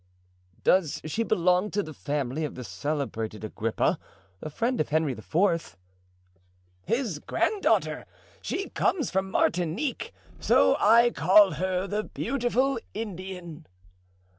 "Does she belong to the family of the celebrated Agrippa, the friend of Henry IV.?" "His granddaughter. She comes from Martinique, so I call her the beautiful Indian."